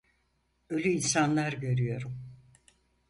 Ölü insanlar görüyorum.